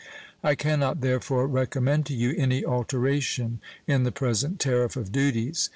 I can not, therefore, recommend to you any alteration in the present tariff of duties.